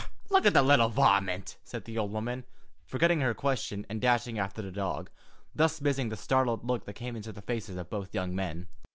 "Och! Look at the little varmint!" said the old woman, forgetting her question and dashing after the dog, thus missing the startled look that came into the faces of both young men.